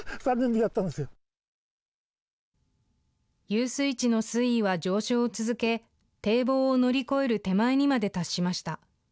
遊水地の水位は上昇を続け、堤防を乗り越える手前にまで達しました。